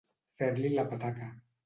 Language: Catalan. Fer-li la petaca.